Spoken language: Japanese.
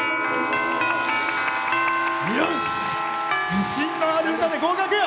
自信のある歌で合格！